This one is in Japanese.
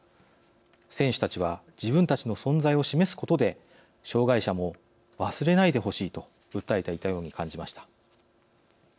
選手たちは自分たちの存在を示すことで障害者も忘れないでほしいと訴えていたように感じました。